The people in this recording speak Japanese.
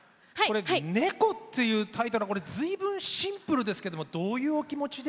「猫」っていうタイトルはずいぶんシンプルですけどもどういうお気持ちで？